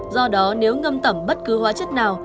do đó nếu ngâm tẩm bất cứ hóa chất nào